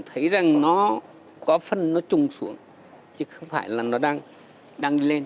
thấy rằng nó có phân nó trùng xuống chứ không phải là nó đang lên